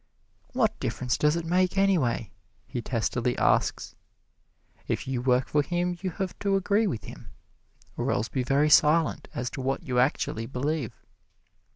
"What difference does it make, anyway?" he testily asks. If you work for him you have to agree with him, or else be very silent as to what you actually believe.